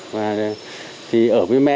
và thì ở với mẹ